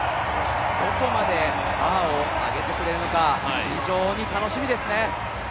どこまでバーを上げてくれるのか、非常に楽しみですね。